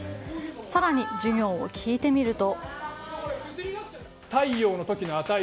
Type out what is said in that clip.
更に、授業を聞いてみると。